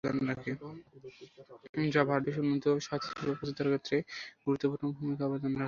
যা ভারতবর্ষে উন্নত স্বাস্থ্যসেবা পৌছে দেওয়ার ক্ষেত্রে গুরুত্বপূর্ণ ভূমিকা অবদান রাখে।